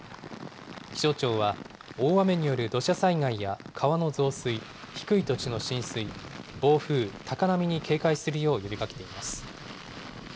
気象庁は、大雨による土砂災害や川の増水、低い土地の浸水、暴風、高波に警戒するよう呼びかけています。